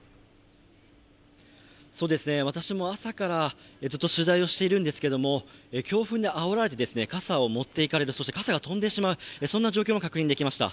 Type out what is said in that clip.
私も朝からずっと取材をしているんですけども、強風にあおられて傘を持っていかれる、そして傘が飛んでしまう、そんな状況も見られました。